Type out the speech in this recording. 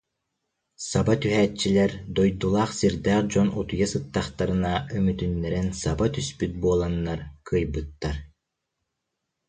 Саба түһээччилэр, дойдулаах-сирдээх дьон утуйа сыттахтарына өмүтүннэрэн саба түспүт буоланнар, кыайбыттар